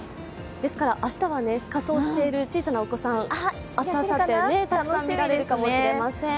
ですから明日は仮装している小さなお子さん明日、あさってはたくさん見られるかもしれません。